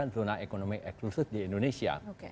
zona ekonomi eksklusif di indonesia